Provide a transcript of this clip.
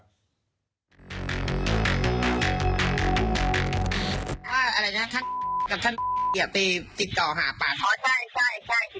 เหมือนมีโอกาสต้องมีมูลฟ้องไว้ก่อน